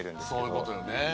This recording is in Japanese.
そういうことよね。